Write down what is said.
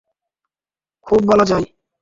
খুব বলা যায়।